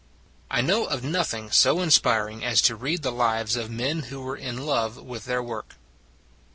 I know of nothing so inspiring as to read the lives of men who were in love with their work.